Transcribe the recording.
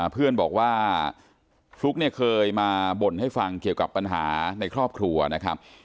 เพื่อนบอกว่าฟลุ๊กเนี่ยเคยมาบ่นให้ฟังเกี่ยวกับปัญหาในครอบครัวนะครับ